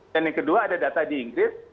dan yang kedua ada data di inggris